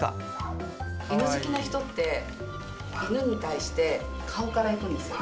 犬好きな人って、犬に対して顔からいくんですよ。